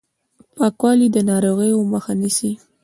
پاکوالی د ناروغیو مخه نیسي